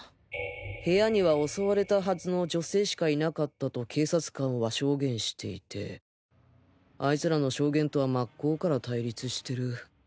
部屋には襲われたはずの女性しかいなかったと警察官は証言していてあいつらの証言とは真っ向から対立してる。